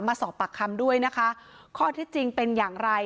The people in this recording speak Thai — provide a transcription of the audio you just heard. มาสอบปากคำด้วยนะคะข้อที่จริงเป็นอย่างไร